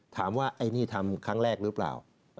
ถามว่าอันนี้ทำครั้งแรกหรือเปล่า